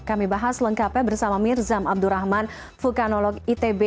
kami bahas lengkapnya bersama mirzam abdurrahman vulkanolog itb